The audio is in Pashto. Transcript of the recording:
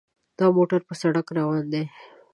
دا موټر په سړک روان دی.